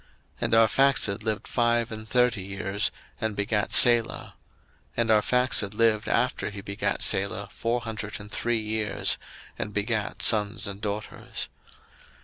01:011:012 And Arphaxad lived five and thirty years, and begat Salah: 01:011:013 And Arphaxad lived after he begat Salah four hundred and three years, and begat sons and daughters.